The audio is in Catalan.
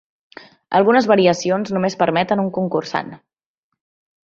Algunes variacions només permeten un concursant.